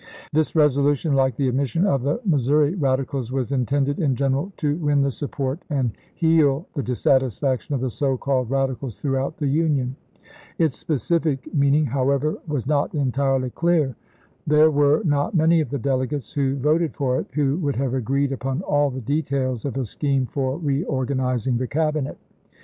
This resolution, like the admission of the Mis souri Radicals, was intended in general to win the 70 ABBAHAM LINCOLN chap. in. support and heal the dissatisfaction of the so called Radicals throughout the Union. Its specific mean ing, however, was not entirely clear. There were Junes, 1864. not many of the delegates who voted for it who would have agreed upon all the details of a scheme for reorganizing the Cabinet.